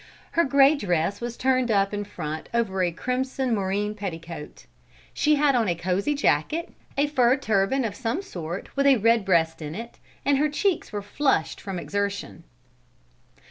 Her grey dress was turned up in front over a crimson moreen petticoat. She had on a cosy jacket, a fur turban of some sort with a redbreast in it, and her cheeks were flushed from exertion.